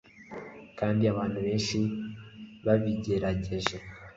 Kandi abantu benshi babigerageje